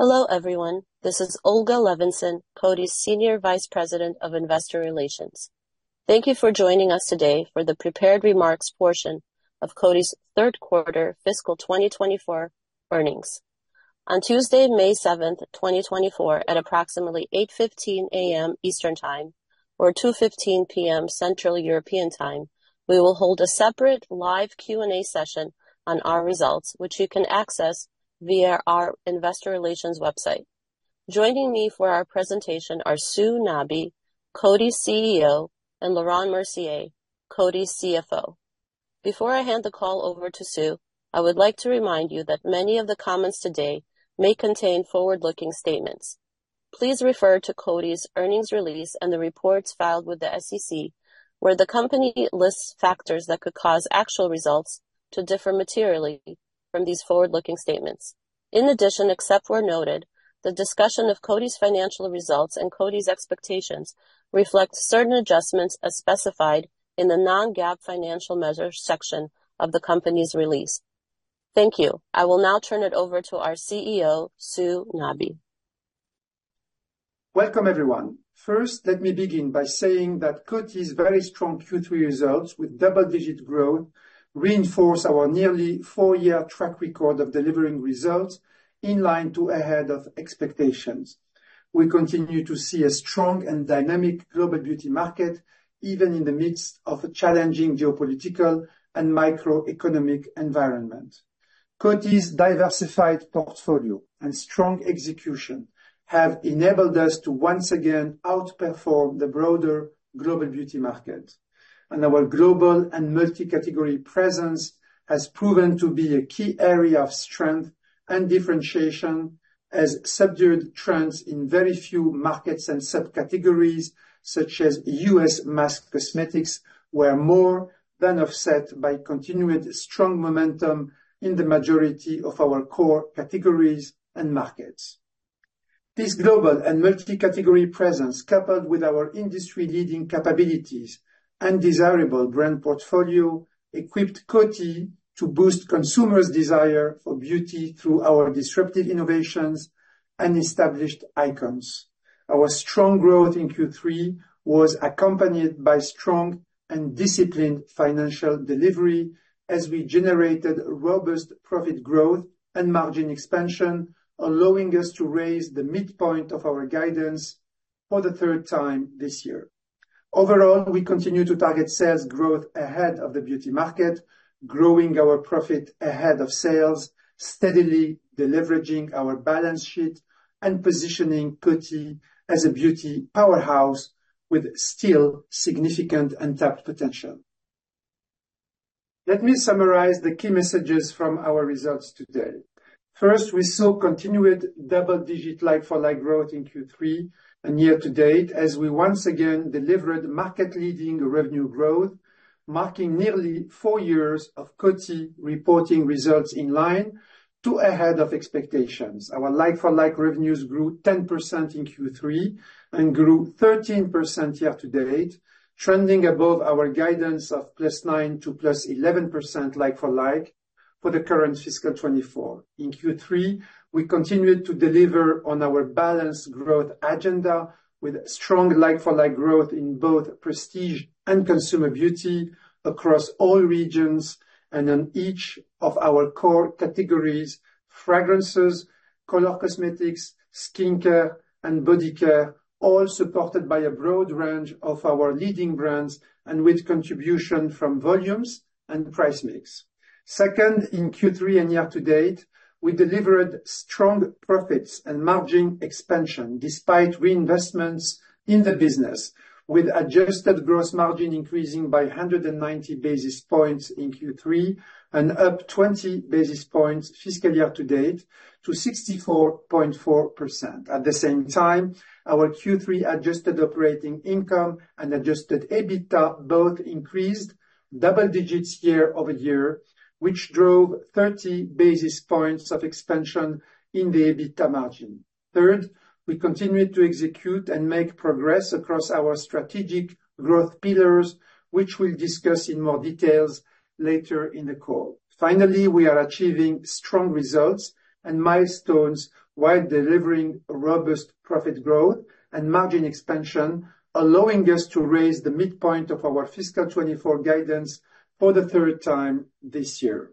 Hello, everyone. This is Olga Levinzon, Coty's Senior Vice President of Investor Relations. Thank you for joining us today for the prepared remarks portion of Coty's third quarter fiscal 2024 earnings. On Tuesday, May 7, 2024, at approximately 8:15 A.M. Eastern Time or 2:15 P.M. Central European Time, we will hold a separate live Q&A session on our results, which you can access via our investor relations website. Joining me for our presentation are Sue Nabi, Coty's CEO, and Laurent Mercier, Coty's CFO. Before I hand the call over to Sue, I would like to remind you that many of the comments today may contain forward-looking statements. Please refer to Coty's earnings release and the reports filed with the SEC, where the company lists factors that could cause actual results to differ materially from these forward-looking statements. In addition, except where noted, the discussion of Coty's financial results and Coty's expectations reflect certain adjustments as specified in the non-GAAP financial measures section of the company's release. Thank you. I will now turn it over to our CEO, Sue Nabi. Welcome, everyone. First, let me begin by saying that Coty's very strong Q3 results with double-digit growth reinforce our nearly four-year track record of delivering results in line to ahead of expectations. We continue to see a strong and dynamic global beauty market, even in the midst of a challenging geopolitical and macroeconomic environment. Coty's diversified portfolio and strong execution have enabled us to once again outperform the broader global beauty market, and our global and multi-category presence has proven to be a key area of strength and differentiation, as subdued trends in very few markets and subcategories, such as U.S. mass cosmetics, were more than offset by continued strong momentum in the majority of our core categories and markets. This global and multi-category presence, coupled with our industry-leading capabilities and desirable brand portfolio, equipped Coty to boost consumers' desire for beauty through our disruptive innovations and established icons. Our strong growth in Q3 was accompanied by strong and disciplined financial delivery as we generated robust profit growth and margin expansion, allowing us to raise the midpoint of our guidance for the third time this year. Overall, we continue to target sales growth ahead of the beauty market, growing our profit ahead of sales, steadily deleveraging our balance sheet and positioning Coty as a beauty powerhouse with still significant untapped potential. Let me summarize the key messages from our results today. First, we saw continued double-digit like-for-like growth in Q3 and year-to-date, as we once again delivered market-leading revenue growth, marking nearly four years of Coty reporting results in line to ahead of expectations. Our like-for-like revenues grew 10% in Q3 and grew 13% year-to-date, trending above our guidance of +9% to +11% like-for-like for the current fiscal 2024. In Q3, we continued to deliver on our balanced growth agenda with strong like-for-like growth in both Prestige and Consumer Beauty across all regions and in each of our core categories: fragrances, color cosmetics, skincare, and body care, all supported by a broad range of our leading brands and with contribution from volumes and price mix. Second, in Q3 and year-to-date, we delivered strong profits and margin expansion despite reinvestments in the business, with adjusted gross margin increasing by 190 basis points in Q3 and up 20 basis points fiscal year-to-date to 64.4%. At the same time, our Q3 adjusted operating income and adjusted EBITDA both increased double digits year-over-year, which drove 30 basis points of expansion in the EBITDA margin. Third, we continued to execute and make progress across our strategic growth pillars, which we'll discuss in more details later in the call. Finally, we are achieving strong results and milestones while delivering robust profit growth and margin expansion, allowing us to raise the midpoint of our Fiscal 2024 guidance for the third time this year.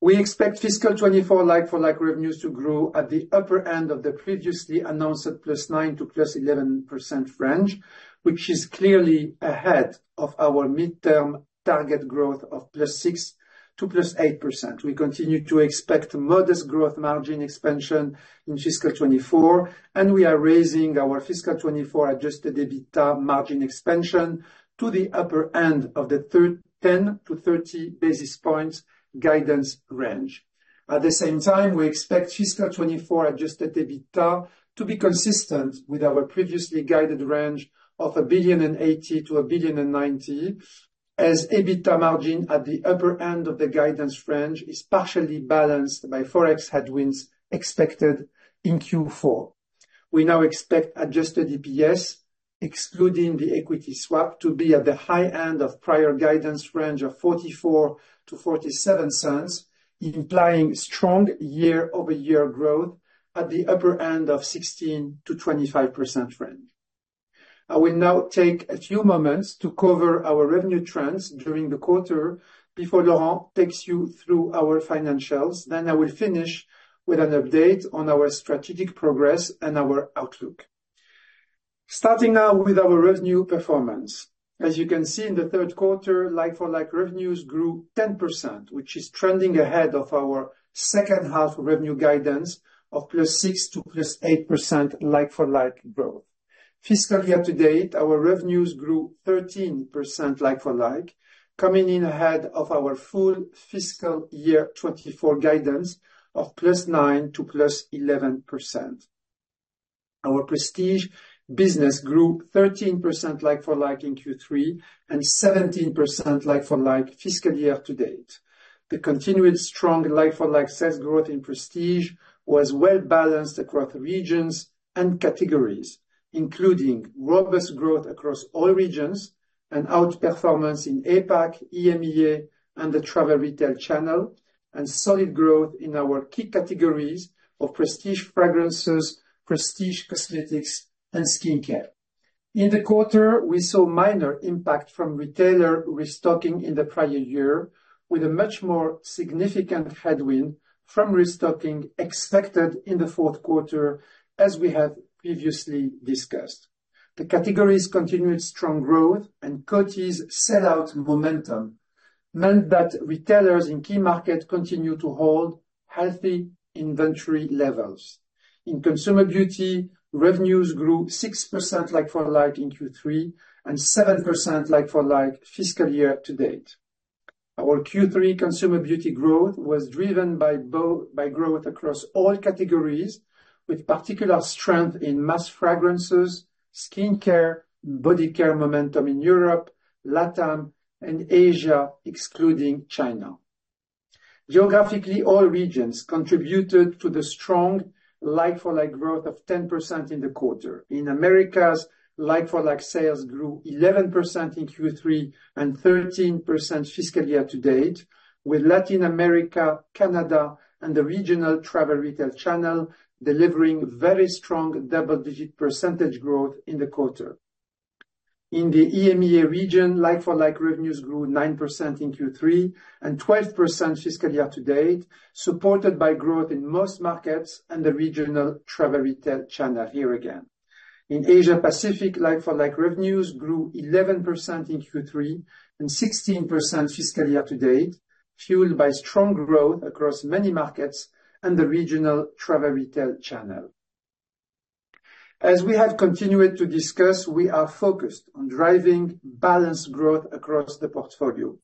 We expect Fiscal 2024 like-for-like revenues to grow at the upper end of the previously announced +9%-+11% range, which is clearly ahead of our mid-term target growth of +6%-+8%. We continue to expect modest gross margin expansion in Fiscal 2024, and we are raising our Fiscal 2024 Adjusted EBITDA margin expansion to the upper end of the 10-30 basis points guidance range. At the same time, we expect fiscal 2024 adjusted EBITDA to be consistent with our previously guided range of $1.08 billion-$1.09 billion, as EBITDA margin at the upper end of the guidance range is partially balanced by Forex headwinds expected in Q4. We now expect adjusted EPS excluding the equity swap to be at the high end of prior guidance range of $0.44-$0.47, implying strong year-over-year growth at the upper end of 16%-25% range. I will now take a few moments to cover our revenue trends during the quarter before Laurent takes you through our financials. Then I will finish with an update on our strategic progress and our outlook. Starting now with our revenue performance. As you can see, in the third quarter, like-for-like revenues grew 10%, which is trending ahead of our second half revenue guidance of +6% to +8% like-for-like growth. Fiscal year to date, our revenues grew 13% like-for-like, coming in ahead of our full fiscal year 2024 guidance of +9% to +11%. Our Prestige business grew 13% like-for-like in Q3 and 17% like-for-like fiscal year to date. The continued strong like-for-like sales growth in Prestige was well-balanced across regions and categories, including robust growth across all regions and outperformance in APAC, EMEA, and the travel retail channel, and solid growth in our key categories of Prestige fragrances, Prestige cosmetics, and skincare. In the quarter, we saw minor impact from retailer restocking in the prior year, with a much more significant headwind from restocking expected in the fourth quarter, as we have previously discussed. The categories' continued strong growth and Coty's sell-out momentum meant that retailers in key markets continue to hold healthy inventory levels. In Consumer Beauty, revenues grew 6% like-for-like in Q3 and 7% like-for-like fiscal year to date. Our Q3 Consumer Beauty growth was driven by growth across all categories, with particular strength in mass fragrances, skincare, body care momentum in Europe, LatAm, and Asia, excluding China. Geographically, all regions contributed to the strong like-for-like growth of 10% in the quarter. In Americas, like-for-like sales grew 11% in Q3 and 13% fiscal year to date, with Latin America, Canada, and the regional travel retail channel delivering very strong double-digit percentage growth in the quarter. In the EMEA region, like-for-like revenues grew 9% in Q3 and 12% fiscal year to date, supported by growth in most markets and the regional travel retail channel here again. In Asia Pacific, like-for-like revenues grew 11% in Q3 and 16% fiscal year to date, fueled by strong growth across many markets and the regional travel retail channel. As we have continued to discuss, we are focused on driving balanced growth across the portfolio.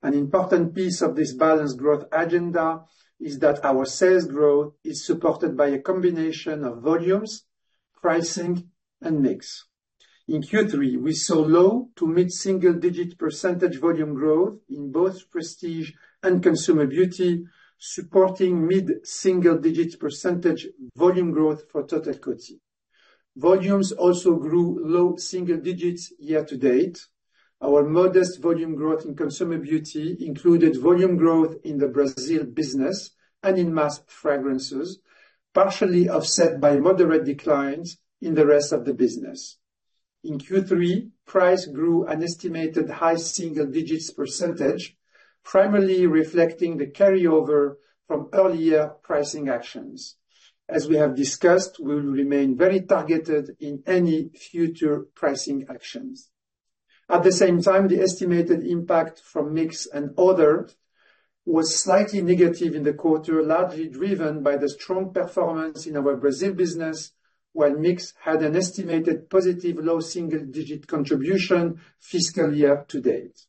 An important piece of this balanced growth agenda is that our sales growth is supported by a combination of volumes, pricing, and mix. In Q3, we saw low- to mid-single-digit percentage volume growth in both Prestige and Consumer Beauty, supporting mid-single-digit percentage volume growth for total Coty. Volumes also grew low single digits year to date. Our modest volume growth in Consumer Beauty included volume growth in the Brazil business and in mass fragrances, partially offset by moderate declines in the rest of the business. In Q3, price grew an estimated high single-digit percentage, primarily reflecting the carryover from earlier pricing actions. As we have discussed, we will remain very targeted in any future pricing actions. At the same time, the estimated impact from mix and other was slightly negative in the quarter, largely driven by the strong performance in our Brazil business, while mix had an estimated positive low single-digit contribution fiscal year to date.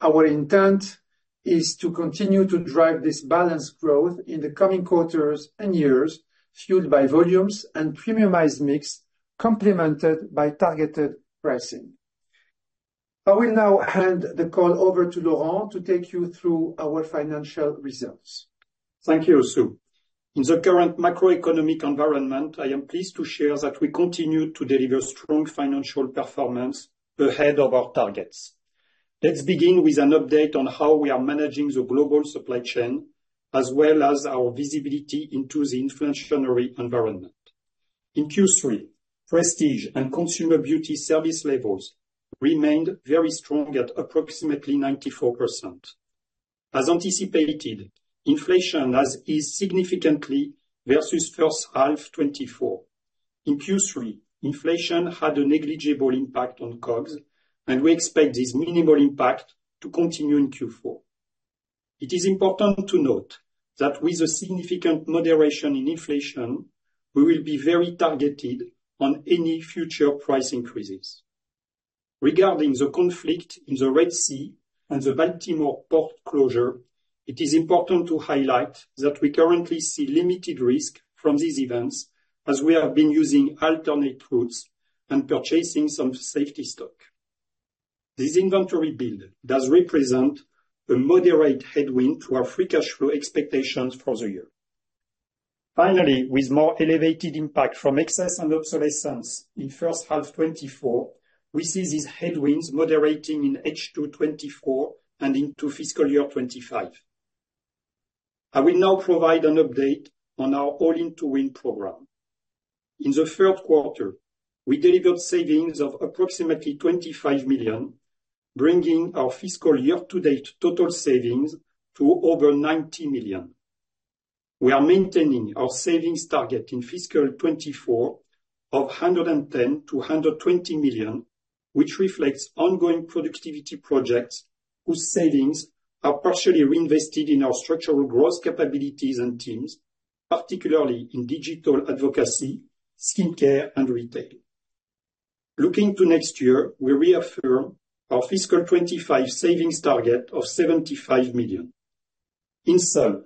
Our intent is to continue to drive this balanced growth in the coming quarters and years, fueled by volumes and premiumized mix, complemented by targeted pricing. I will now hand the call over to Laurent to take you through our financial results. Thank you, Sue. In the current macroeconomic environment, I am pleased to share that we continue to deliver strong financial performance ahead of our targets. Let's begin with an update on how we are managing the global supply chain, as well as our visibility into the inflationary environment. In Q3, Prestige and Consumer Beauty service levels remained very strong at approximately 94%. As anticipated, inflation has eased significantly versus first half 2024. In Q3, inflation had a negligible impact on COGS, and we expect this minimal impact to continue in Q4. It is important to note that with a significant moderation in inflation, we will be very targeted on any future price increases. Regarding the conflict in the Red Sea and the Baltimore port closure, it is important to highlight that we currently see limited risk from these events, as we have been using alternate routes and purchasing some safety stock. This inventory build does represent a moderate headwind to our free cash flow expectations for the year. Finally, with more elevated impact from excess and obsolescence in first half 2024, we see these headwinds moderating in H2 2024 and into fiscal year 2025. I will now provide an update on our All-in-to-Win program. In the third quarter, we delivered savings of approximately $25 million, bringing our fiscal year-to-date total savings to over $90 million. We are maintaining our savings target in fiscal 2024 of $110 million-$120 million, which reflects ongoing productivity projects, whose savings are partially reinvested in our structural growth capabilities and teams, particularly in digital advocacy, skincare, and retail. Looking to next year, we reaffirm our fiscal 2025 savings target of $75 million. In sum,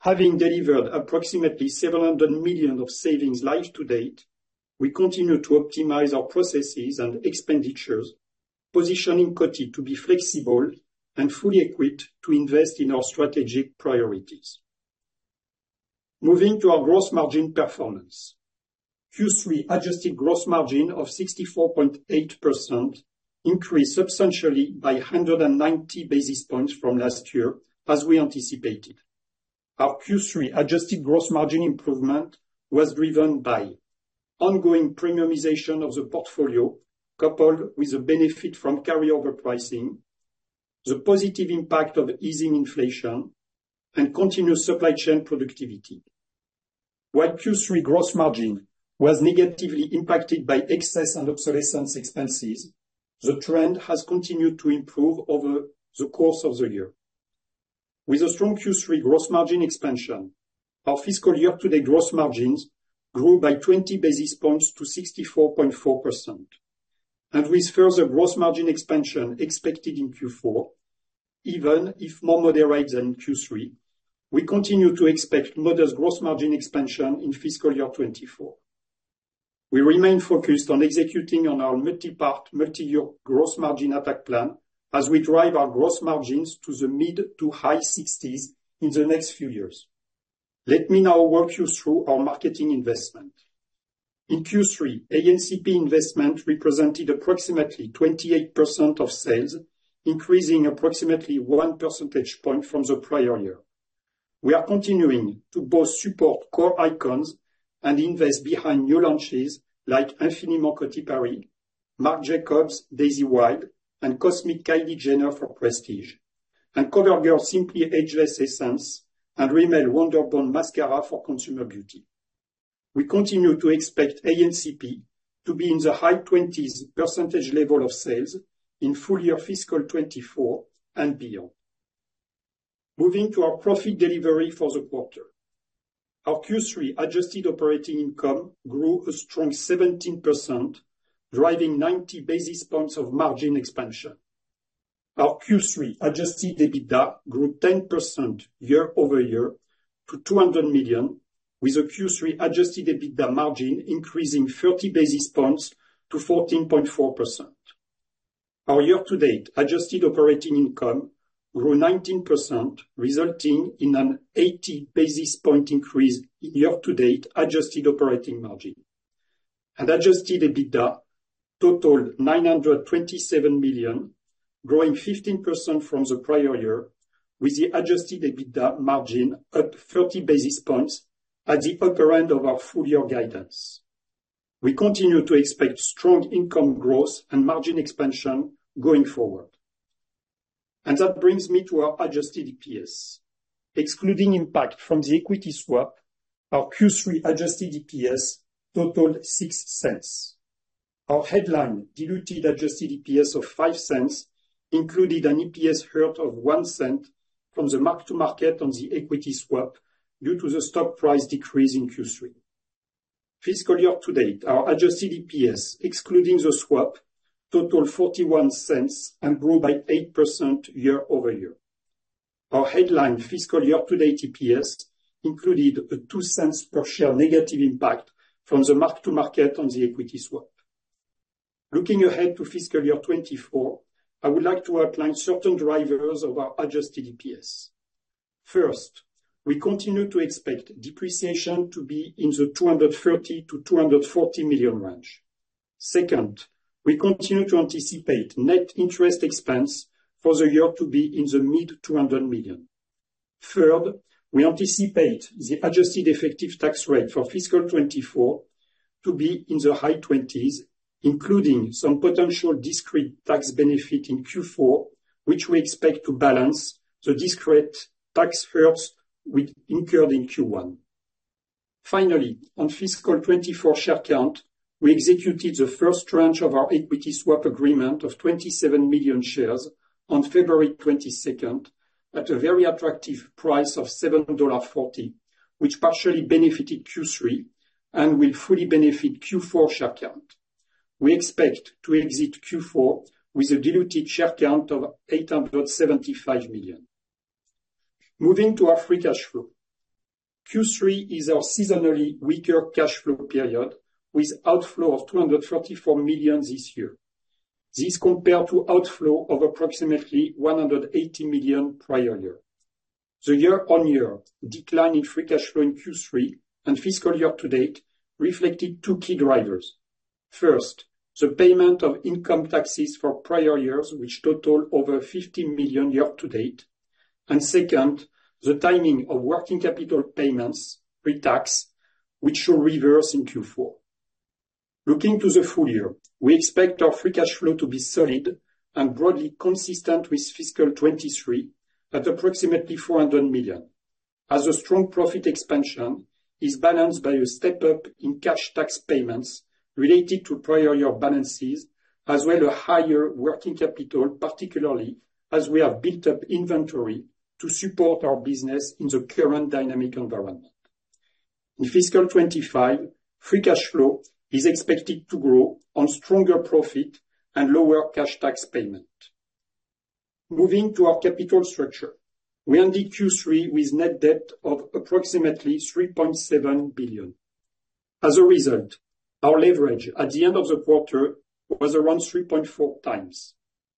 having delivered approximately $700 million of savings live to date, we continue to optimize our processes and expenditures, positioning Coty to be flexible and fully equipped to invest in our strategic priorities. Moving to our gross margin performance. Q3 adjusted gross margin of 64.8% increased substantially by 190 basis points from last year, as we anticipated. Our Q3 adjusted gross margin improvement was driven by ongoing premiumization of the portfolio, coupled with the benefit from carryover pricing, the positive impact of easing inflation, and continuous supply chain productivity. While Q3 gross margin was negatively impacted by excess and obsolescence expenses, the trend has continued to improve over the course of the year. With a strong Q3 gross margin expansion, our fiscal year-to-date gross margins grew by 20 basis points to 64.4%. With further gross margin expansion expected in Q4, even if more moderate than Q3, we continue to expect modest gross margin expansion in fiscal year 2024. We remain focused on executing on our multi-part, multi-year gross margin attack plan as we drive our gross margins to the mid- to high-60s in the next few years. Let me now walk you through our marketing investment. In Q3, A&CP investment represented approximately 28% of sales, increasing approximately one percentage point from the prior year. We are continuing to both support core icons and invest behind new launches like Infiniment Coty Paris, Marc Jacobs Daisy Wild, and Cosmic Kylie Jenner for Prestige, and CoverGirl Simply Ageless Essence, and Rimmel Wonder'Bond Mascara for Consumer Beauty. We continue to expect A&CP to be in the high 20%s level of sales in full year Fiscal 2024 and beyond. Moving to our profit delivery for the quarter. Our Q3 adjusted operating income grew a strong 17%, driving 90 basis points of margin expansion. Our Q3 adjusted EBITDA grew 10% year-over-year to $200 million, with a Q3 adjusted EBITDA margin increasing 30 basis points to 14.4%. Our year-to-date adjusted operating income grew 19%, resulting in an 80 basis points increase in year-to-date adjusted operating margin. Adjusted EBITDA totaled $927 million, growing 15% from the prior year, with the adjusted EBITDA margin up 30 basis points at the upper end of our full-year guidance. We continue to expect strong income growth and margin expansion going forward. That brings me to our adjusted EPS. Excluding impact from the equity swap, our Q3 adjusted EPS totaled $0.06. Our headline diluted adjusted EPS of $0.05 included an EPS hurt of $0.01 from the mark-to-market on the equity swap due to the stock price decrease in Q3. Fiscal year to date, our adjusted EPS, excluding the swap, totaled $0.41 and grew by 8% year-over-year. Our headline fiscal year-to-date EPS included a $0.02 per share negative impact from the mark-to-market on the equity swap. Looking ahead to fiscal year 2024, I would like to outline certain drivers of our adjusted EPS. First, we continue to expect depreciation to be in the $230 million-$240 million range. Second, we continue to anticipate net interest expense for the year to be in the mid-$200 million. Third, we anticipate the adjusted effective tax rate for fiscal 2024 to be in the high 20%s, including some potential discrete tax benefit in Q4, which we expect to balance the discrete tax hits we incurred in Q1. Finally, on Fiscal 2024 share count, we executed the first tranche of our equity swap agreement of 27 million shares on February 22 at a very attractive price of $7.40, which partially benefited Q3 and will fully benefit Q4 share count. We expect to exit Q4 with a diluted share count of 875 million. Moving to our free cash flow. Q3 is our seasonally weaker cash flow period, with outflow of $234 million this year. This compared to outflow of approximately $180 million prior year. The year-on-year decline in free cash flow in Q3 and fiscal year to date reflected two key drivers. First, the payment of income taxes for prior years, which total over $50 million year to date, and second, the timing of working capital payments pre-tax, which should reverse in Q4. Looking to the full year, we expect our free cash flow to be solid and broadly consistent with fiscal 2023 at approximately $400 million. As a strong profit expansion is balanced by a step-up in cash tax payments related to prior year balances, as well as a higher working capital, particularly as we have built up inventory to support our business in the current dynamic environment. In fiscal 2025, free cash flow is expected to grow on stronger profit and lower cash tax payment. Moving to our capital structure, we ended Q3 with net debt of approximately $3.7 billion. As a result, our leverage at the end of the quarter was around 3.4x,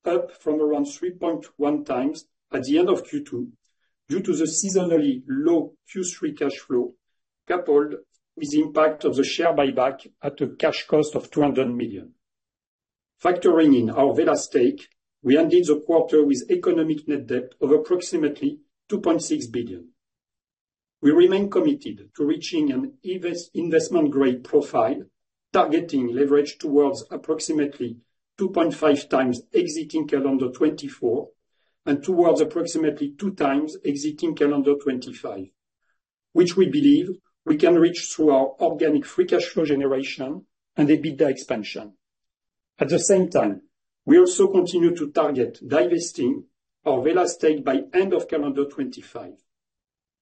up from around 3.1x at the end of Q2, due to the seasonally low Q3 cash flow, coupled with the impact of the share buyback at a cash cost of $200 million. Factoring in our Wella stake, we ended the quarter with economic net debt of approximately $2.6 billion. We remain committed to reaching an investment-grade profile, targeting leverage towards approximately 2.5x exiting calendar 2024 and towards approximately 2x exiting calendar 2025, which we believe we can reach through our organic free cash flow generation and the EBITDA expansion. At the same time, we also continue to target divesting our Wella stake by end of calendar 2025.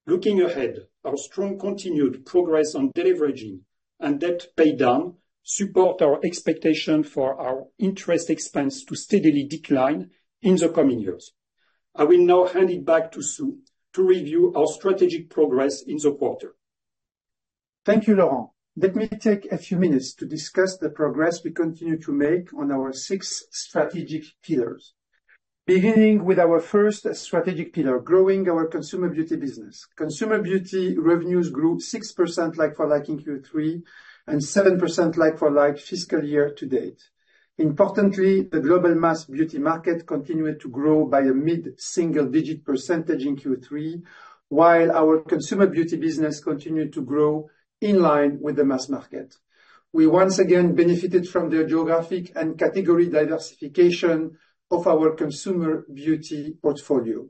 Looking ahead, our strong continued progress on deleveraging and debt paydown support our expectation for our interest expense to steadily decline in the coming years. I will now hand it back to Sue to review our strategic progress in the quarter. Thank you, Laurent. Let me take a few minutes to discuss the progress we continue to make on our six strategic pillars. Beginning with our first strategic pillar, growing our Consumer Beauty business. Consumer Beauty revenues grew 6% like-for-like in Q3 and 7% like-for-like fiscal year to date. Importantly, the global mass beauty market continued to grow by a mid-single-digit % in Q3, while our Consumer Beauty business continued to grow in line with the mass market. We once again benefited from the geographic and category diversification of our Consumer Beauty portfolio.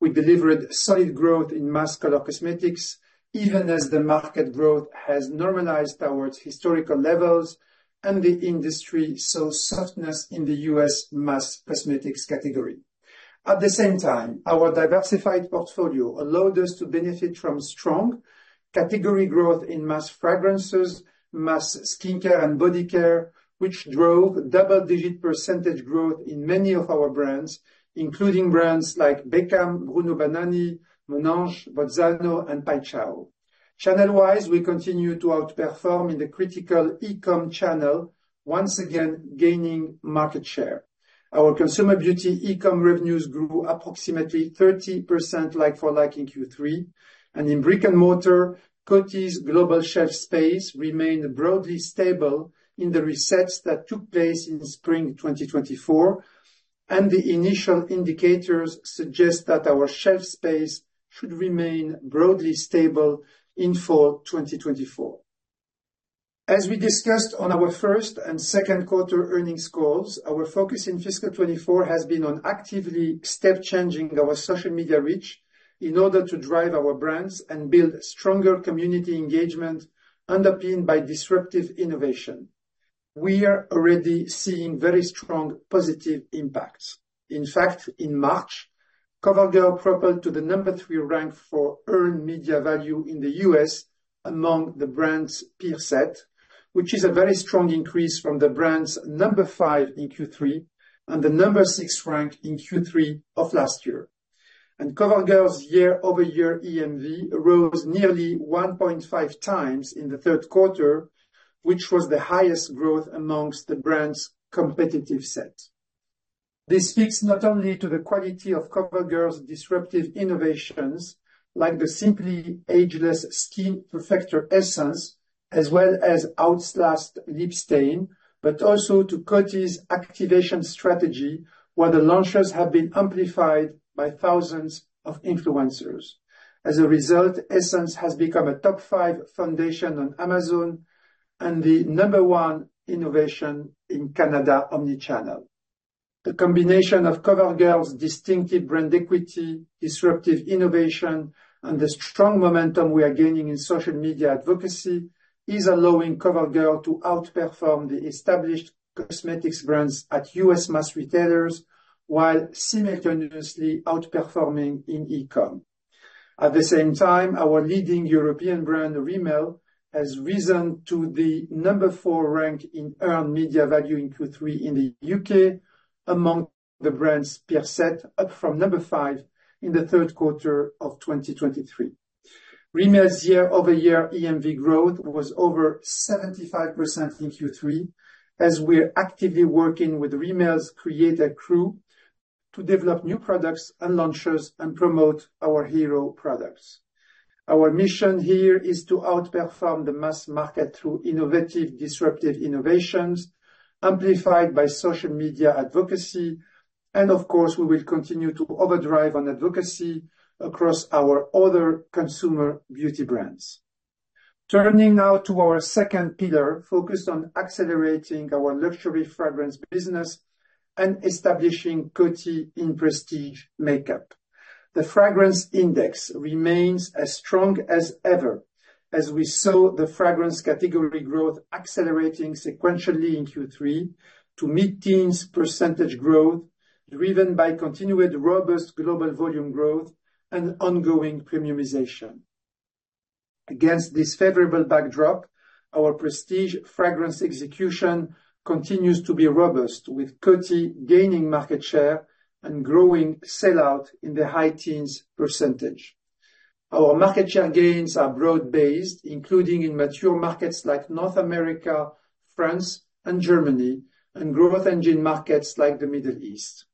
We delivered solid growth in mass color cosmetics, even as the market growth has normalized towards historical levels and the industry saw softness in the U.S. mass cosmetics category. At the same time, our diversified portfolio allowed us to benefit from strong category growth in mass fragrances, mass skincare, and body care, which drove double-digit percentage growth in many of our brands, including brands like David Beckham, Bruno Banani, Monange, Bozzano, and Paixão. Channel-wise, we continue to outperform in the critical e-com channel, once again gaining market share. Our Consumer Beauty e-com revenues grew approximately 30% like-for-like in Q3, and in brick-and-mortar, Coty's global shelf space remained broadly stable in the resets that took place in Spring 2024, and the initial indicators suggest that our shelf space should remain broadly stable in Fall 2024. As we discussed on our first and second quarter earnings calls, our focus in fiscal 2024 has been on actively step changing our social media reach in order to drive our brands and build stronger community engagement underpinned by disruptive innovation. We are already seeing very strong positive impacts. In fact, in March, COVERGIRL propelled to the number three rank for earned media value in the U.S. among the brand's peer set, which is a very strong increase from the brand's number five in Q3 and the number six rank in Q3 of last year. COVERGIRL's year-over-year EMV rose nearly 1.5x in the third quarter, which was the highest growth among the brand's competitive set. This speaks not only to the quality of COVERGIRL's disruptive innovations, like the Simply Ageless Skin Perfector Essence, as well as Outlast Lipstain, but also to Coty's activation strategy, where the launches have been amplified by thousands of influencers. As a result, Essence has become a top 5 foundation on Amazon and the number one innovation in Canada omni-channel. The combination of COVERGIRL's distinctive brand equity, disruptive innovation, and the strong momentum we are gaining in social media advocacy is allowing COVERGIRL to outperform the established cosmetics brands at U.S. mass retailers while simultaneously outperforming in e-com. At the same time, our leading European brand, Rimmel, has risen to the number four rank in earned media value in Q3 in the U.K. among the brands per set, up from number five in the third quarter of 2023. Rimmel's year-over-year EMV growth was over 75% in Q3, as we're actively working with Rimmel's Creator Crew to develop new products and launches and promote our hero products. Our mission here is to outperform the mass market through innovative, disruptive innovations, amplified by social media advocacy, and of course, we will continue to overdrive on advocacy across our other Consumer Beauty brands. Turning now to our second pillar, focused on accelerating our luxury fragrance business and establishing Coty in Prestige makeup. The fragrance index remains as strong as ever as we saw the fragrance category growth accelerating sequentially in Q3 to mid-teens percentage growth, driven by continued robust global volume growth and ongoing premiumization. Against this favorable backdrop, our Prestige fragrance execution continues to be robust, with Coty gaining market share and growing sell out in the high teens percentage. Our market share gains are broad-based, including in mature markets like North America, France, and Germany, and growth engine markets like the Middle East.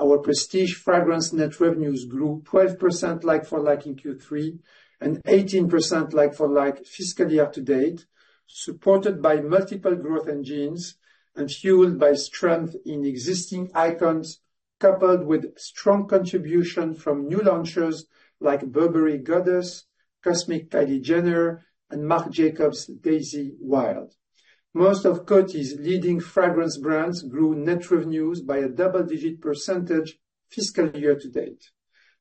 Our Prestige fragrance net revenues grew 12% like-for-like in Q3 and 18% like-for-like fiscal year to date, supported by multiple growth engines and fueled by strength in existing icons, coupled with strong contribution from new launches like Burberry Goddess, Cosmic Kylie Jenner, and Marc Jacobs Daisy Wild. Most of Coty's leading fragrance brands grew net revenues by a double-digit percentage fiscal year to date.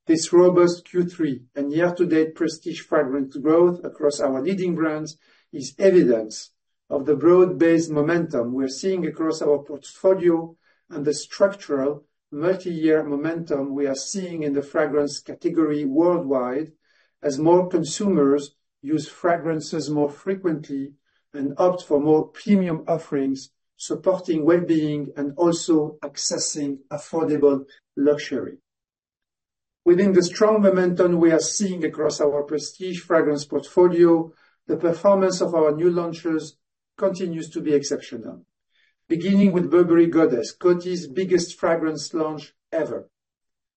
This robust Q3 and year-to-date Prestige fragrance growth across our leading brands is evidence of the broad-based momentum we're seeing across our portfolio and the structural multi-year momentum we are seeing in the fragrance category worldwide, as more consumers use fragrances more frequently and opt for more premium offerings, supporting well-being and also accessing affordable luxury. Within the strong momentum we are seeing across our Prestige fragrance portfolio, the performance of our new launches continues to be exceptional. Beginning with Burberry Goddess, Coty's biggest fragrance launch ever.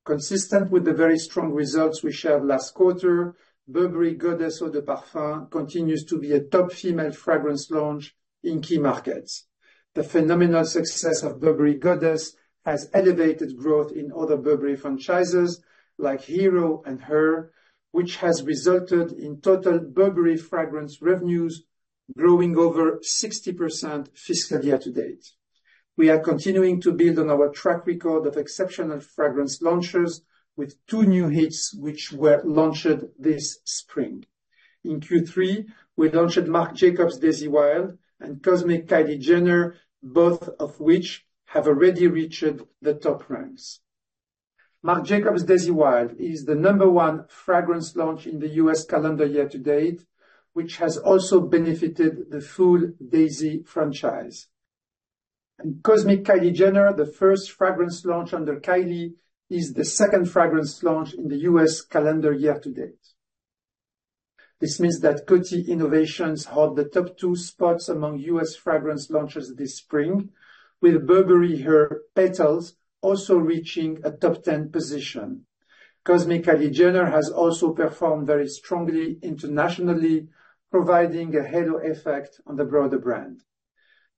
Consistent with the very strong results we shared last quarter, Burberry Goddess Eau de Parfum continues to be a top female fragrance launch in key markets. The phenomenal success of Burberry Goddess has elevated growth in other Burberry franchises like Hero and Her, which has resulted in total Burberry fragrance revenues growing over 60% fiscal year to date. We are continuing to build on our track record of exceptional fragrance launches with two new hits, which were launched this spring. In Q3, we launched Marc Jacobs Daisy Wild and Cosmic Kylie Jenner, both of which have already reached the top ranks. Marc Jacobs Daisy Wild is the number one fragrance launch in the U.S. calendar year to date, which has also benefited the full Daisy franchise. Cosmic Kylie Jenner, the first fragrance launch under Kylie, is the second fragrance launch in the U.S. calendar year to date. This means that Coty innovations hold the top two spots among U.S. fragrance launches this spring, with Burberry Her Petals also reaching a top 10 position. Cosmic Kylie Jenner has also performed very strongly internationally, providing a halo effect on the broader brand.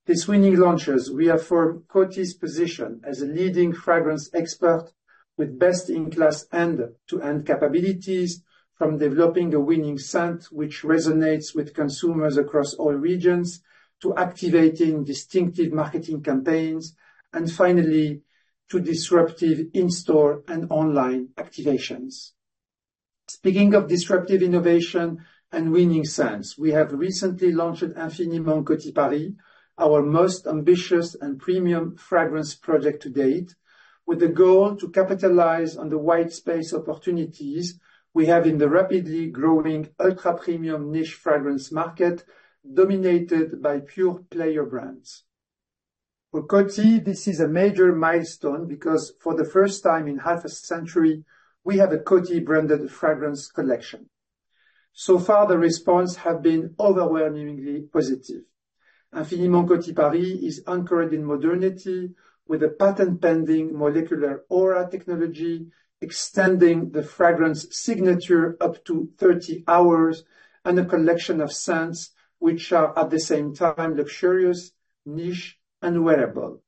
These winning launches reaffirm Coty's position as a leading fragrance expert with best-in-class end-to-end capabilities from developing a winning scent, which resonates with consumers across all regions, to activating distinctive marketing campaigns, and finally, to disruptive in-store and online activations. Speaking of disruptive innovation and winning scents, we have recently launched Infiniment Coty Paris, our most ambitious and premium fragrance project to date, with a goal to capitalize on the wide space opportunities we have in the rapidly growing ultra-premium niche fragrance market, dominated by pure player brands. For Coty, this is a major milestone because for the first time in half a century, we have a Coty-branded fragrance collection. So far, the response has been overwhelmingly positive. Infiniment Coty Paris is anchored in modernity with a patent-pending Molecular Aura technology, extending the fragrance signature up to 30 hours, and a collection of scents which are at the same time luxurious, niche, and wearable.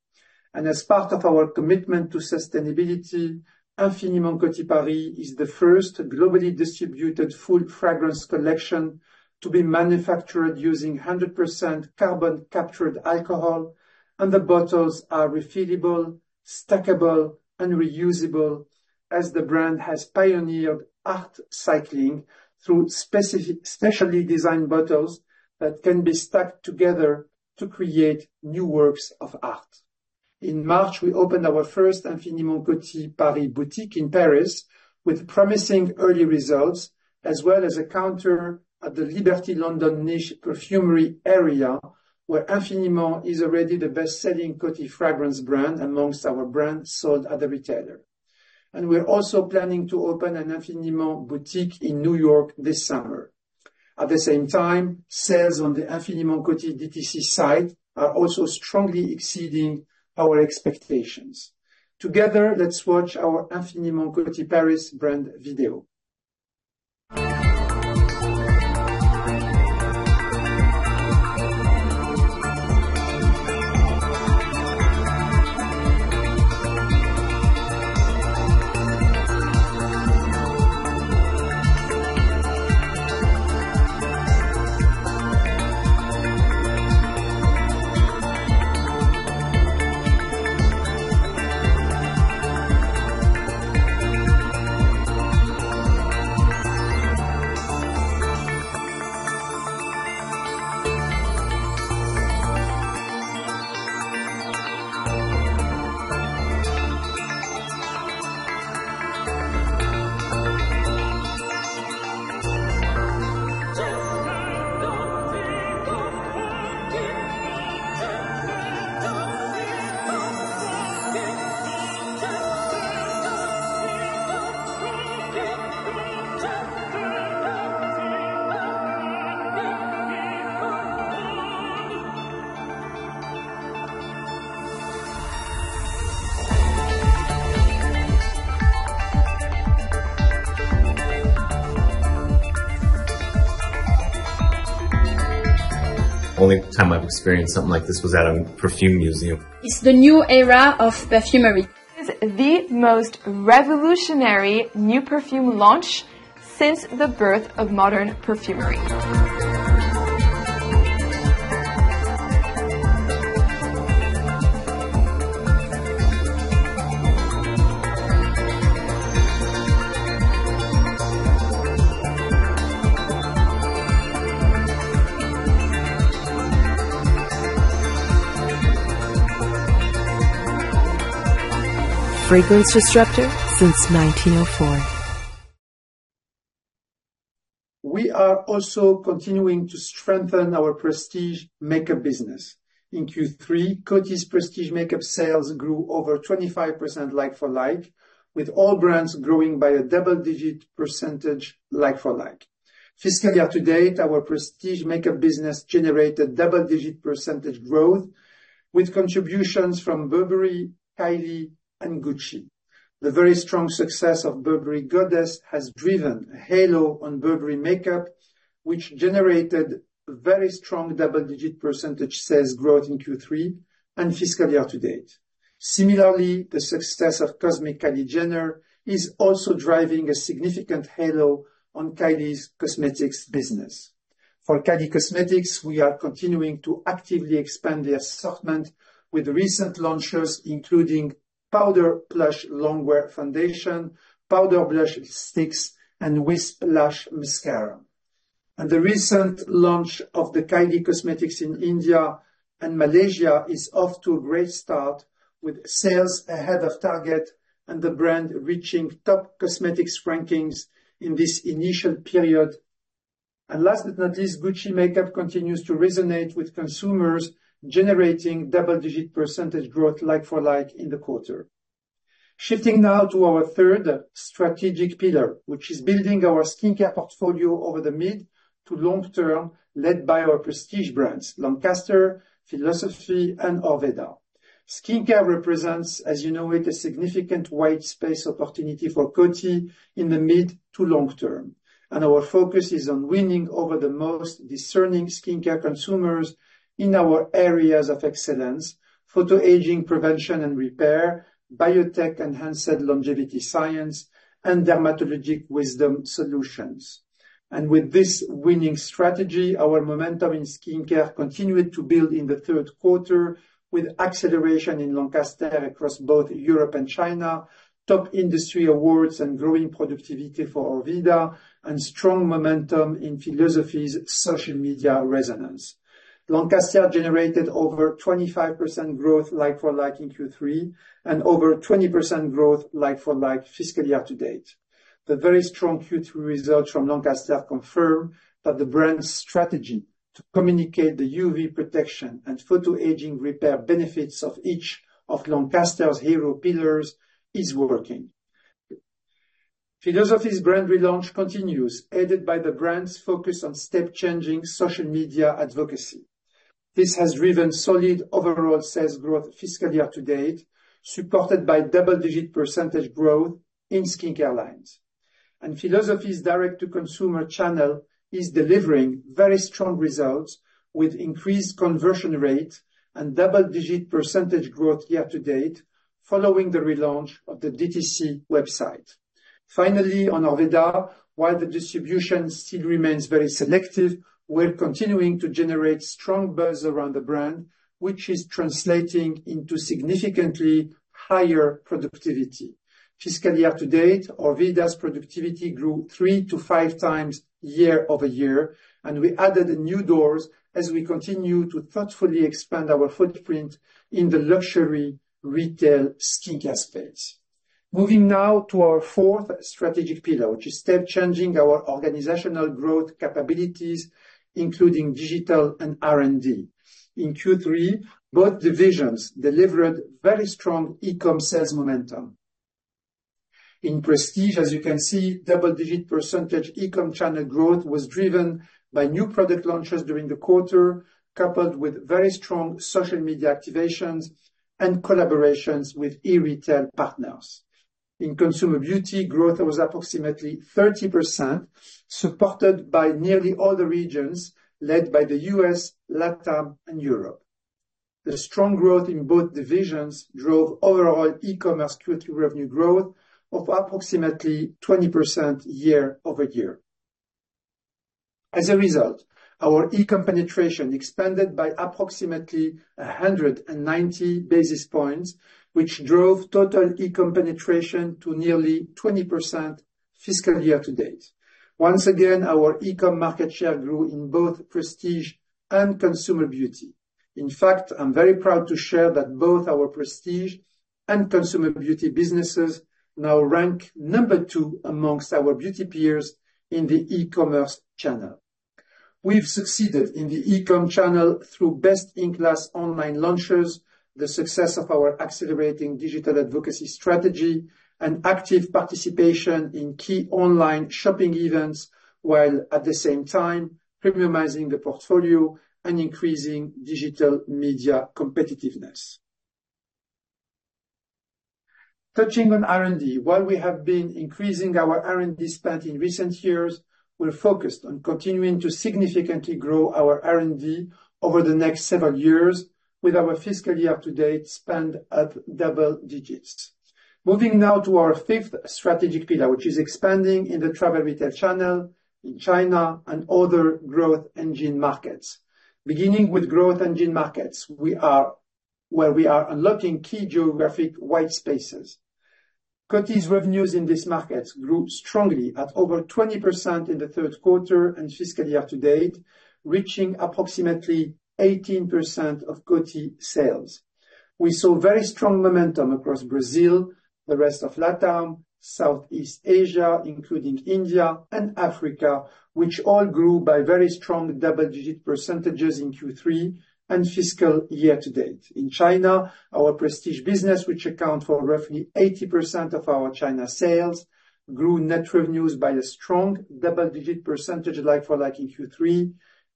And as part of our commitment to sustainability, Infiniment Coty Paris is the first globally distributed full fragrance collection to be manufactured using 100% carbon-captured alcohol, and the bottles are refillable, stackable, and reusable, as the brand has pioneered Artcycling through specially designed bottles that can be stacked together to create new works of art. In March, we opened our first Infiniment Coty Paris boutique in Paris with promising early results, as well as a counter at the Liberty London niche perfumery area, where Infiniment is already the best-selling Coty fragrance brand amongst our brands sold at the retailer. And we're also planning to open an Infiniment boutique in New York this summer. At the same time, sales on the Infiniment Coty DTC site are also strongly exceeding our expectations. Together, let's watch our Infiniment Coty Paris brand video. Only time I've experienced something like this was at a perfume museum. It's the new era of perfumery. It's the most revolutionary new perfume launch since the birth of modern perfumery. Fragrance disruptor since 1904. We are also continuing to strengthen our Prestige makeup business. In Q3, Coty's Prestige makeup sales grew over 25% like-for-like, with all brands growing by a double-digit percentage like-for-like. Fiscal year to date, our Prestige makeup business generated double-digit percentage growth, with contributions from Burberry, Kylie, and Gucci. The very strong success of Burberry Goddess has driven a halo on Burberry makeup, which generated very strong double-digit percentage sales growth in Q3 and fiscal year to date. Similarly, the success of Cosmic Kylie Jenner is also driving a significant halo on Kylie's cosmetics business. For Kylie Cosmetics, we are continuing to actively expand the assortment with recent launches, including Power Plush Longwear Foundation, Power Plush Longwear Concealer, and Wispy Lash. The recent launch of the Kylie Cosmetics in India and Malaysia is off to a great start, with sales ahead of target and the brand reaching top cosmetics rankings in this initial period. And last but not least, Gucci makeup continues to resonate with consumers, generating double-digit percentage growth like-for-like in the quarter. Shifting now to our third strategic pillar, which is building our skincare portfolio over the mid to long term, led by our Prestige brands, Lancaster, philosophy, and Orveda. Skincare represents, as you know, a significant white space opportunity for Coty in the mid to long term, and our focus is on winning over the most discerning skincare consumers in our areas of excellence: photoaging, prevention, and repair, biotech, enhanced longevity science, and dermatologic wisdom solutions. With this winning strategy, our momentum in skincare continued to build in the third quarter, with acceleration in Lancaster across both Europe and China, top industry awards and growing productivity for Orveda, and strong momentum in Philosophy's social media resonance. Lancaster generated over 25% growth like-for-like in Q3 and over 20% growth like-for-like fiscal year to date. The very strong Q3 results from Lancaster confirm that the brand's strategy to communicate the UV protection and photoaging repair benefits of each of Lancaster's hero pillars is working. Philosophy's brand relaunch continues, aided by the brand's focus on step-changing social media advocacy. This has driven solid overall sales growth fiscal year to date, supported by double-digit percentage growth in skincare lines. Philosophy's direct-to-consumer channel is delivering very strong results with increased conversion rate and double-digit percentage growth year to date, following the relaunch of the DTC website. Finally, on Orveda, while the distribution still remains very selective, we're continuing to generate strong buzz around the brand, which is translating into significantly higher productivity. Fiscal year to date, Orveda's productivity grew 3x-5x year-over-year, and we added new doors as we continue to thoughtfully expand our footprint in the luxury retail skincare space. Moving now to our fourth strategic pillar, which is step changing our organizational growth capabilities, including digital and R&D. In Q3, both divisions delivered very strong e-com sales momentum. In Prestige, as you can see, double-digit percentage e-com channel growth was driven by new product launches during the quarter, coupled with very strong social media activations and collaborations with e-retail partners. In Consumer Beauty, growth was approximately 30%, supported by nearly all the regions, led by the U.S., LatAm, and Europe. The strong growth in both divisions drove overall e-commerce Q3 revenue growth of approximately 20% year-over-year. As a result, our e-com penetration expanded by approximately 190 basis points, which drove total e-com penetration to nearly 20% fiscal year to date. Once again, our e-com market share grew in both Prestige and Consumer Beauty. In fact, I'm very proud to share that both our Prestige and Consumer Beauty businesses now rank number two amongst our beauty peers in the e-commerce channel. We've succeeded in the e-com channel through best-in-class online launches, the success of our accelerating digital advocacy strategy, and active participation in key online shopping events, while at the same time, premiumizing the portfolio and increasing digital media competitiveness. Touching on R&D, while we have been increasing our R&D spend in recent years, we're focused on continuing to significantly grow our R&D over the next several years with our fiscal year to date spend at double digits. Moving now to our fifth strategic pillar, which is expanding in the travel retail channel, in China, and other growth engine markets. Beginning with growth engine markets, where we are unlocking key geographic white spaces. Coty's revenues in these markets grew strongly at over 20% in the third quarter and fiscal year to date, reaching approximately 18% of Coty sales. We saw very strong momentum across Brazil, the rest of LatAm, Southeast Asia, including India and Africa, which all grew by very strong double-digit percentages in Q3 and fiscal year to date. In China, our Prestige business, which account for roughly 80% of our China sales, grew net revenues by a strong double-digit percentage like-for-like in Q3,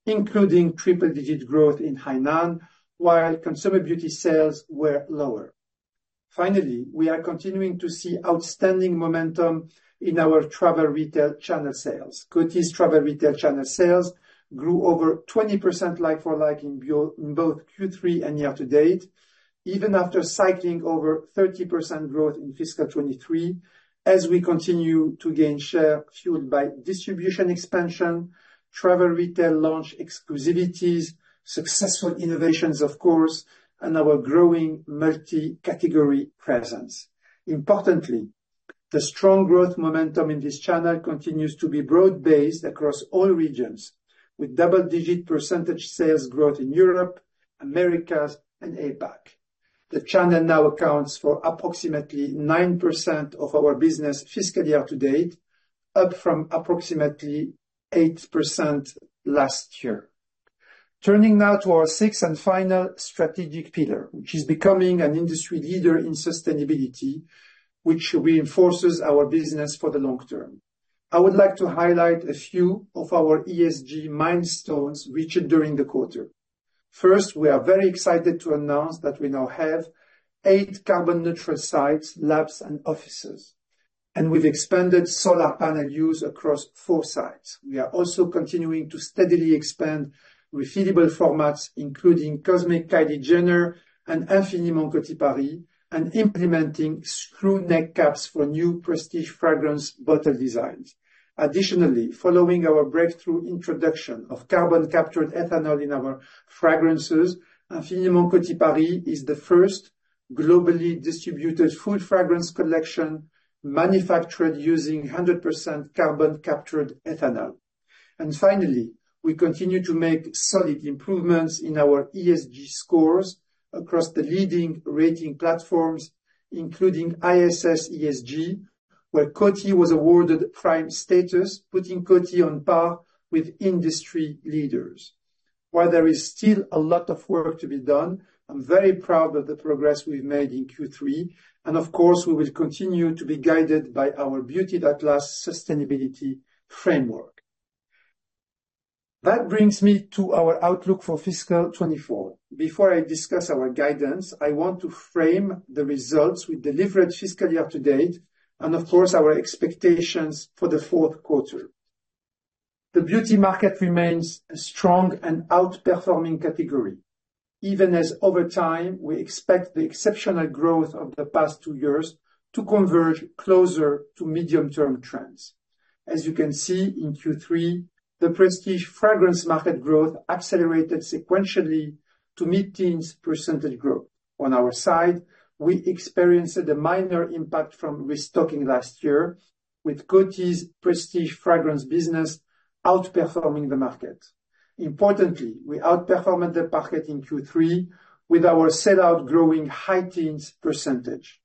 including triple-digit growth in Hainan, while Consumer Beauty sales were lower. Finally, we are continuing to see outstanding momentum in our travel retail channel sales. Coty's travel retail channel sales grew over 20% like-for-like in both Q3 and year to date, even after cycling over 30% growth in fiscal 2023 as we continue to gain share, fueled by distribution expansion, travel retail launch exclusivities, successful innovations, of course, and our growing multi-category presence. Importantly, the strong growth momentum in this channel continues to be broad-based across all regions, with double-digit percentage sales growth in Europe, Americas, and APAC. The channel now accounts for approximately 9% of our business fiscal year to date, up from approximately 8% last year. Turning now to our sixth and final strategic pillar, which is becoming an industry leader in sustainability, which reinforces our business for the long term. I would like to highlight a few of our ESG milestones reached during the quarter. First, we are very excited to announce that we now have eight carbon-neutral sites, labs, and offices, and we've expanded solar panel use across four sites. We are also continuing to steadily expand refillable formats, including Cosmic Kylie Jenner and Infiniment Coty Paris, and implementing screw neck caps for new Prestige fragrance bottle designs. Additionally, following our breakthrough introduction of carbon-captured ethanol in our fragrances, Infiniment Coty Paris is the first globally distributed fine fragrance collection manufactured using 100% carbon-captured ethanol. Finally, we continue to make solid improvements in our ESG scores across the leading rating platforms, including ISS ESG, where Coty was awarded prime status, putting Coty on par with industry leaders. While there is still a lot of work to be done, I'm very proud of the progress we've made in Q3, and of course, we will continue to be guided by our Beauty That Lasts sustainability framework. That brings me to our outlook for fiscal 2024. Before I discuss our guidance, I want to frame the results we delivered fiscal year to date, and of course, our expectations for the fourth quarter. The beauty market remains a strong and outperforming category, even as over time, we expect the exceptional growth of the past two years to converge closer to medium-term trends. As you can see, in Q3, the Prestige fragrance market growth accelerated sequentially to mid-teens percentage growth. On our side, we experienced a minor impact from restocking last year, with Coty's Prestige fragrance business outperforming the market. Importantly, we outperformed the market in Q3 with our sell-out growing high teens percentage.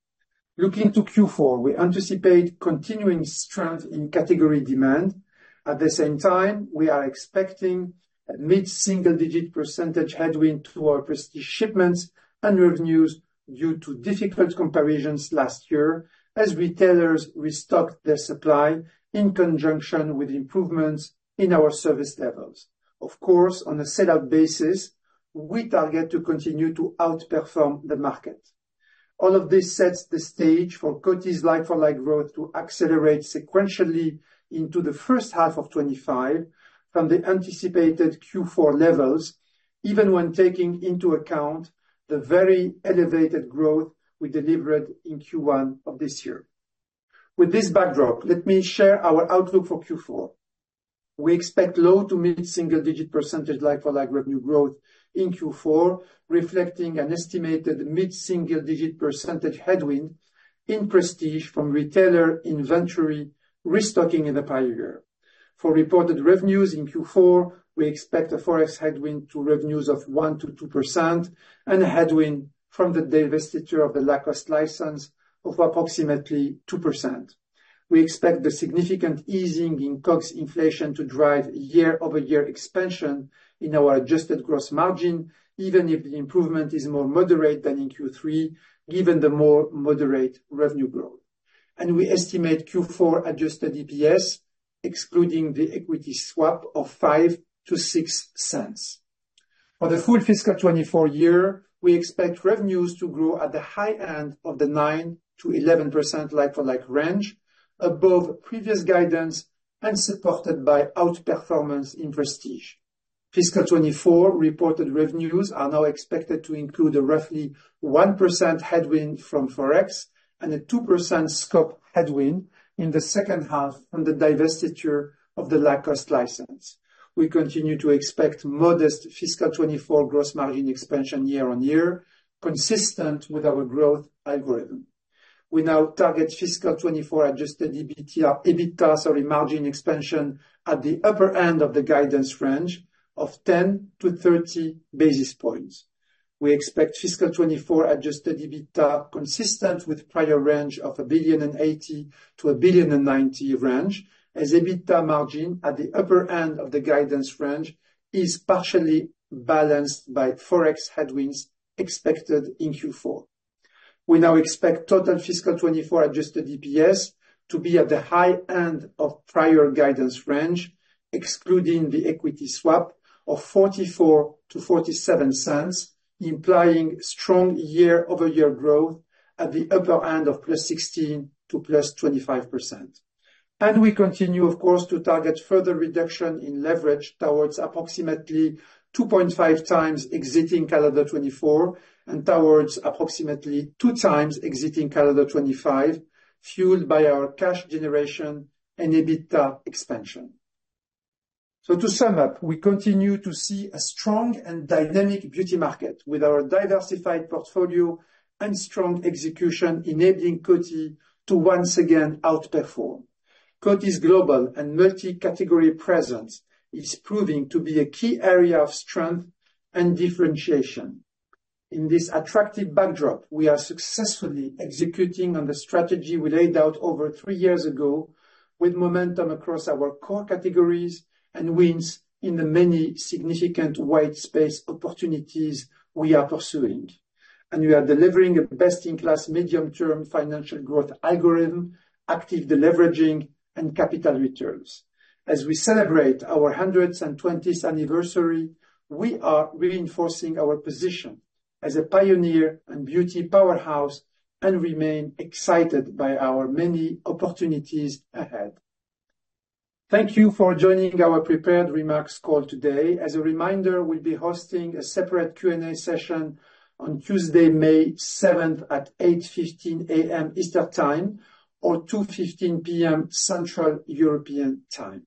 Looking to Q4, we anticipate continuing strength in category demand. At the same time, we are expecting a mid-single-digit percentage headwind to our Prestige shipments and revenues due to difficult comparisons last year, as retailers restocked their supply in conjunction with improvements in our service levels. Of course, on a sell-out basis, we target to continue to outperform the market. All of this sets the stage for Coty's like-for-like growth to accelerate sequentially into the first half of 2025 from the anticipated Q4 levels, even when taking into account the very elevated growth we delivered in Q1 of this year. With this backdrop, let me share our outlook for Q4. We expect low- to mid-single-digit percentage like-for-like revenue growth in Q4, reflecting an estimated mid-single-digit percentage headwind in Prestige from retailer inventory restocking in the prior year. For reported revenues in Q4, we expect a Forex headwind to revenues of 1%-2% and a headwind from the divestiture of the Lacoste license of approximately 2%. We expect the significant easing in COGS inflation to drive year-over-year expansion in our adjusted gross margin, even if the improvement is more moderate than in Q3, given the more moderate revenue growth. We estimate Q4 adjusted EPS, excluding the equity swap, of $0.05-$0.06. For the full fiscal 2024 year, we expect revenues to grow at the high end of the 9%-11% like-for-like range, above previous guidance and supported by outperformance in Prestige. Fiscal 2024 reported revenues are now expected to include a roughly 1% headwind from Forex and a 2% scope headwind in the second half from the divestiture of the Lacoste license. We continue to expect modest fiscal 2024 gross margin expansion year-on-year, consistent with our growth algorithm. We now target fiscal 2024 adjusted EBITDA, sorry, margin expansion at the upper end of the guidance range of 10-30 basis points. We expect fiscal 2024 adjusted EBITDA consistent with prior range of $1.08 billion-$1.09 billion range, as EBITDA margin at the upper end of the guidance range is partially balanced by Forex headwinds expected in Q4. We now expect total fiscal 2024 adjusted EPS to be at the high end of prior guidance range, excluding the equity swap of $0.44-$0.47, implying strong year-over-year growth at the upper end of +16% to +25%. And we continue, of course, to target further reduction in leverage towards approximately 2.5x exiting calendar 2024 and towards approximately 2x exiting calendar 2025, fueled by our cash generation and EBITDA expansion. So to sum up, we continue to see a strong and dynamic beauty market with our diversified portfolio and strong execution, enabling Coty to once again outperform. Coty's global and multi-category presence is proving to be a key area of strength and differentiation. In this attractive backdrop, we are successfully executing on the strategy we laid out over three years ago, with momentum across our core categories and wins in the many significant white space opportunities we are pursuing. We are delivering a best-in-class, medium-term financial growth algorithm, active deleveraging, and capital returns. As we celebrate our 120th anniversary, we are reinforcing our position as a pioneer and beauty powerhouse and remain excited by our many opportunities ahead. Thank you for joining our prepared remarks call today. As a reminder, we'll be hosting a separate Q&A session on Tuesday, May 7 at 8:15 A.M. Eastern Time or 2:15 P.M. Central European Time.